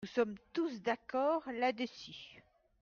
Nous sommes tous d’accord là-dessus.